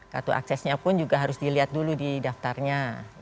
kartu aksesnya pun juga harus dilihat dulu di daftarnya